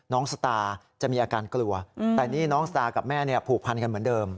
สตาจะมีอาการกลัวแต่นี่น้องสตาร์กับแม่ผูกพันกันเหมือนเดิม